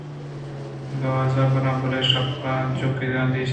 دزّان ءُ براں: بلے شپانک ءَ انچو کہ آ دیست